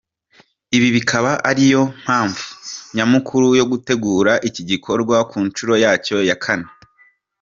Ibi bikaba ariyo mpamvu nyamukuru yo gutegura iki gikorwa ku nshuro yacyo ya kane.